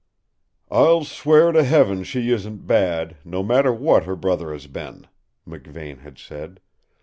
"I'll swear to Heaven she isn't bad, no matter what her brother has been," McVane had said.